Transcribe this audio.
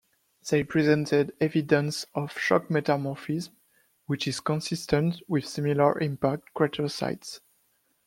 They presented evidence of shock metamorphism, which is consistent with similar impact crater sites.